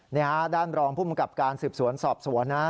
นี่ฮะด้านรองภูมิกับการสืบสวนสอบสวนนะ